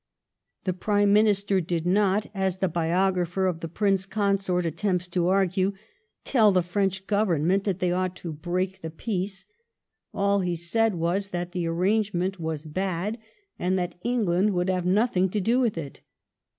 The Prime Minister did not^ as the biographer of the Prince Consort attempts to argue, tell the French Government that they ought to break the peace ; all he said was that the arrangement was bad, and that£ngland would have nothing to do with it.